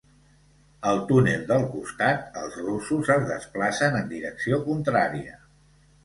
Al túnel del costat, els russos es desplacen en direcció contrària.